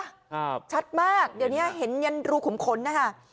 ครับชัดมากเดี๋ยวเนี้ยเห็นยันรูขมขนนะคะ